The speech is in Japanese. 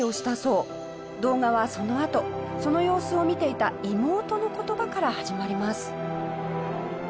動画はそのあとその様子を見ていた妹の言葉から始まります。